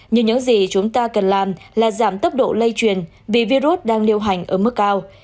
nhưng những gì chúng ta cần làm là giảm tốc độ lây truyền vì virus đang lưu hành ở mức cao